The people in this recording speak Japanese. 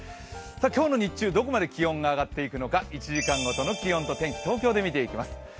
今日の日中、どこまで気温が上がっていくのか１時間ごとの気温と天気、東京で見ていきます。